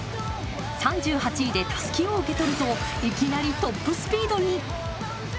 ３８位でたすきを受け取るといきなりトップスピードに。